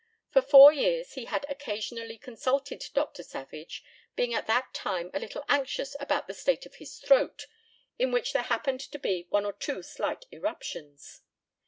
For four years he had occasionally consulted Dr. Savage, being at that time a little anxious about the state of his throat, in which there happened to be one or two slight eruptions.